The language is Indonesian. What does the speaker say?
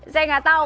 saya tidak tahu